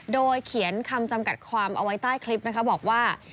โดยเขียนคำจำกัดความเอาไว้ใต้คลิปนะคะบอกว่า